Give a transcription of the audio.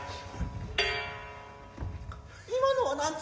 今のは何ぞ。